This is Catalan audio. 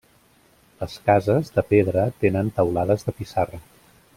Les cases, de pedra, tenen teulades de pissarra.